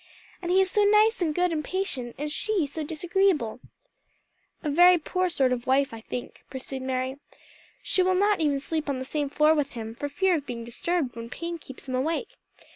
And he is so nice and good and patient, and she so disagreeable." "A very poor sort of wife, I think," pursued Mary. "She will not even sleep on the same floor with him, for fear of being disturbed when pain keeps him awake.